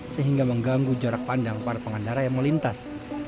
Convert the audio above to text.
sehingga mengganggu jarak pandang para pengendara yang melintas